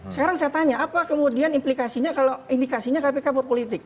sekarang saya tanya apa kemudian implikasinya kalau indikasinya kpk berpolitik